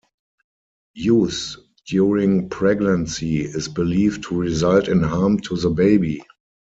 Use during pregnancy is believed to result in harm to the baby.